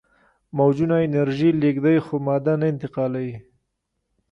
موجونه انرژي لیږدوي خو ماده نه انتقالوي.